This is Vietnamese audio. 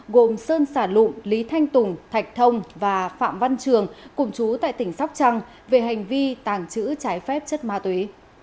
gồm sơn sản lụng lý thanh tùng thạch thông và phạm văn trường cùng chú tại tỉnh sóc trăng về hành vi tàng trữ trái phép chất ma túy